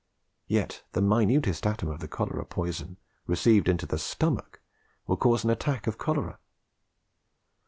Yet the minutest atom of the cholera poison received into the stomach will cause an attack of cholera.